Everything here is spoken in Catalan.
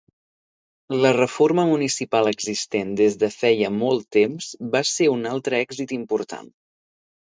La reforma municipal existent des de feia molt temps va ser un altre èxit important.